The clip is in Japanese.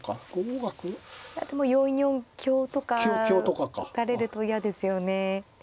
でも４四香とか打たれると嫌ですよね。